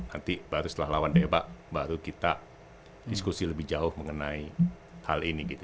nanti baru setelah lawan debak baru kita diskusi lebih jauh mengenai hal ini gitu